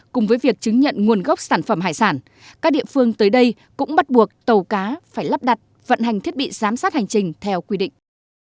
cùng với việc chứng nhận nguồn gốc sản phẩm hải sản các địa phương tới đây cũng bắt buộc tàu cá phải lắp đặt vận hành thiết bị giám sát hành trình theo quy định